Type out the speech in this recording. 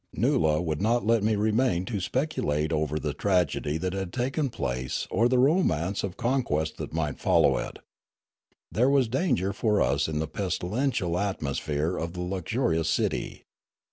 Noola would not let me remain to speculate over the tragedy that had taken place or the romance of conquest that might follow it. There was danger for us in the pestilential atmosphere of the luxurious city.